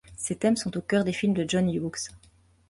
Ces thèmes sont au cœur des films de John Hughes.